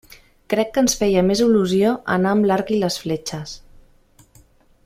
Crec que ens feia més il·lusió anar amb l'arc i les fletxes.